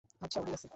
আচ্ছা উড়ে গেছে?